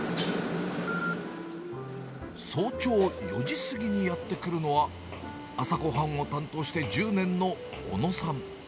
早朝４時過ぎにやって来るのは、朝ごはんを担当して１０年の小野さん。